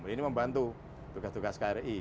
ini membantu tugas tugas kri